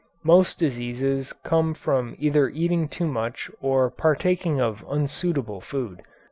Most diseases come from either eating too much or partaking of unsuitable food.